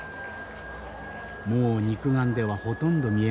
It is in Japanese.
もう肉眼ではほとんど見えません。